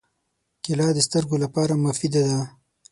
کېله د سترګو لپاره مفیده ده.